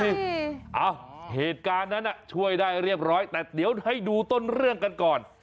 เอ้าเหตุการณ์นั้นช่วยได้เรียบร้อยแต่เดี๋ยวให้ดูต้นเรื่องกันก่อน